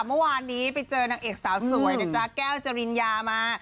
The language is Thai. เมื่อวานนี้ไปเจอนางเอกสาวสวยนะจ๊ะแก้วจริญญามา